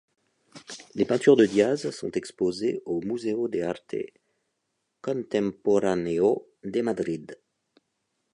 Les peintures de Díaz sont exposées au Museo de Arte Contemporáneo de Madrid.